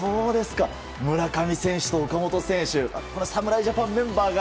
村上選手と岡本選手侍ジャパンメンバーが。